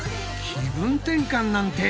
気分転換なんて